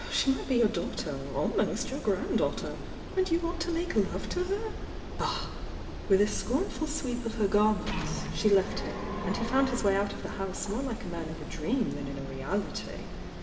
She might be your daughter— almost your granddaughter! And you want to make love to her? Bah !" With a scornful sweep of her garments she left him, and he found his way out of the house more like a man m a dream than in a reality.